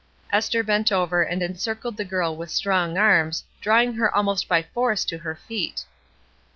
Esther bent over and encircled the girl with strong arms, drawing her almost by force to her feet.